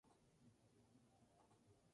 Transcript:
La agrupación grabó tres discos.